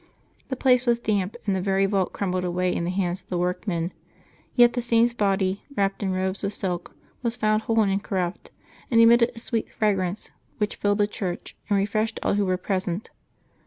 The place was damp, and the very vault crumbled away in the hands of the workmen; yet the Saint's body, wrapped in robes of silk, was found whole and incorrupt, and emitted a sweet fragrance, which filled the church and refreshed all who were present.